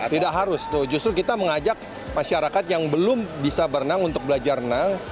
tidak harus tuh justru kita mengajak masyarakat yang belum bisa berenang untuk belajar renang